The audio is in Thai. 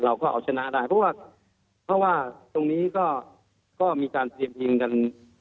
เราก็เอาชนะได้เพราะว่าเพราะว่าตรงนี้ก็มีการเตรียมทีมกัน